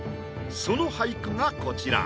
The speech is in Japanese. その俳句がこちら。